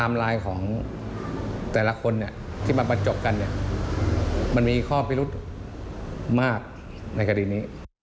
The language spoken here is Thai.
มากในคดีนี้